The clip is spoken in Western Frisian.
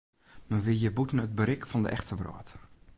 Men wie hjir bûten it berik fan de echte wrâld.